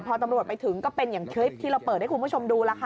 พอตำรวจไปถึงก็เป็นอย่างคลิปที่เราเปิดให้คุณผู้ชมดูแล้วค่ะ